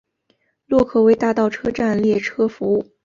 洛克威大道车站列车服务。